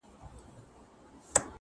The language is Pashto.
علم د فکر ژوروالی زیاتوي!